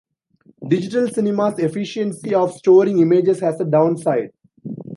Digital cinemas' efficiency of storing images has a downside.